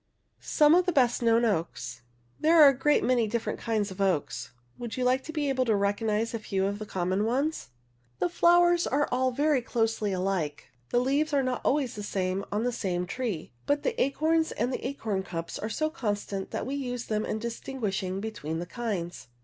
SOME OF THE BEST KNOWN OAKS. There are a great many different kinds of oaks. Would you like to be able to recognize a few of the common ones? 63 The flowers are all very closely alike. The leaves are not always the same on the same tree, but the acorns and acorn cups are so constant that we use them in distinguishing between the kinds.